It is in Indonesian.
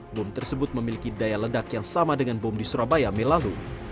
bom tersebut memiliki daya ledak yang sama dengan bom di surabaya mei lalu